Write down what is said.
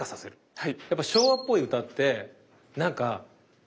はい。